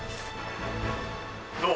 どう？